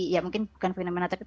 ya mungkin bukan fenomena tapi